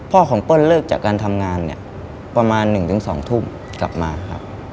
พ่อของเปิ้ลเลิกจากการทำงานเนี่ยประมาณ๑๒ทุ่มกลับมาครับ